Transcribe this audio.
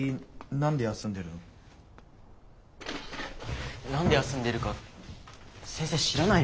何で休んでるか先生知らないの？